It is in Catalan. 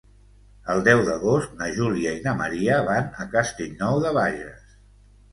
El deu d'agost na Júlia i na Maria van a Castellnou de Bages.